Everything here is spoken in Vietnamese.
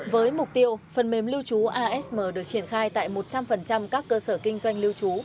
với mục tiêu phần mềm lưu trú asm được triển khai tại một trăm linh các cơ sở kinh doanh lưu trú